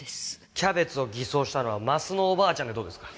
キャベツを偽装したのは鱒乃おばあちゃんでどうですか？